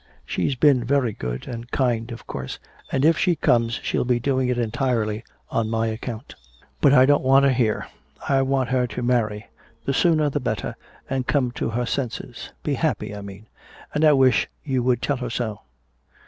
She's been very good and kind, of course, and if she comes she'll be doing it entirely on my account. But I don't want her here I want her to marry, the sooner the better, and come to her senses be happy, I mean. And I wish you would tell her so."